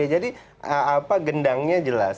jadi gendangnya jelas